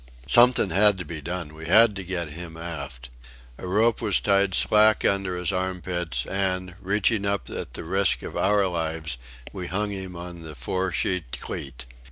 Something had to be done. We had to get him aft. A rope was tied slack under his armpits, and, reaching up at the risk of our lives, we hung him on the fore sheet cleet.